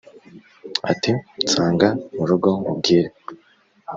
ati"nsanga murugo nkubwire."